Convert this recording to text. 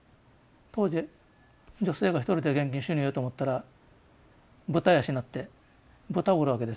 当時女性が一人で現金収入得ようと思ったらブタ養ってブタ売るわけですよね。